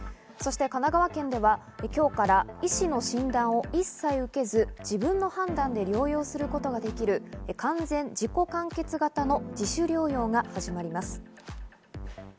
そして神奈川県では、今日から医師の診断を一切受けず、自分の判断で療養することができる、完全自己完結型の自主療養が始まります。